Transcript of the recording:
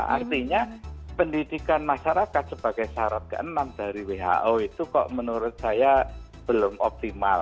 artinya pendidikan masyarakat sebagai syarat keenam dari who itu kok menurut saya belum optimal